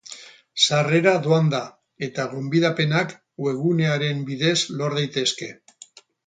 Sarrera doan da eta gonbidapenak webgunearen bidez lor daitezke.